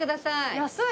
安い！